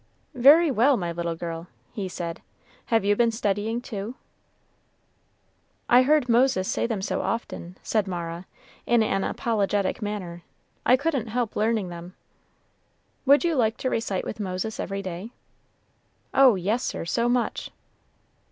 "Very well, my little girl," he said, "have you been studying, too?" "I heard Moses say them so often," said Mara, in an apologetic manner, "I couldn't help learning them." "Would you like to recite with Moses every day?" "Oh, yes, sir, so much."